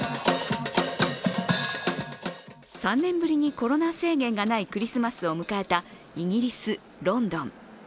３年ぶりにコロナ制限がないクリスマスを迎えたイギリス・ロンドン。